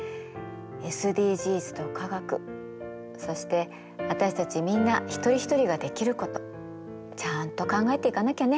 ＳＤＧｓと科学そして私たちみんな一人ひとりができることちゃんと考えていかなきゃね。